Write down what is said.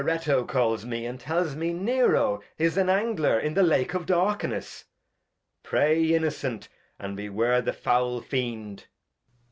Fraterreto calls me, and teUs me, Nero, is an Angler in the Lake of Darkness. Pray, Innocent, and beware the foul Fiend.